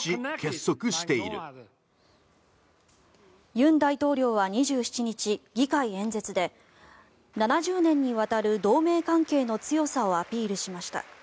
尹大統領は２７日議会演説で７０年にわたる同盟関係の強さをアピールしました。